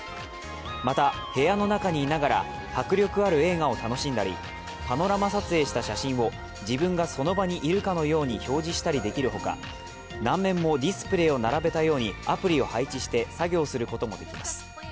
また、部屋の中にいながら迫力ある映画を楽しんだり、パノラマ撮影した写真を自分がその場にいるかのように表示できるほか何面もディスプレーを並べたようにアプリを配置して作業することもできます。